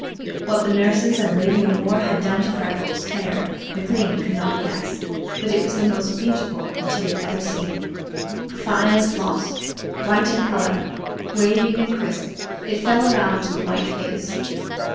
What the nurses and Lady O'More had done to Freckles' hair McLean could not guess, but it was the most beautiful that he ever had seen. Fine as floss, bright in color, waving and crisp, it fell around the white face.